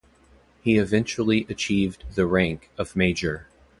He eventually achieved the rank of major.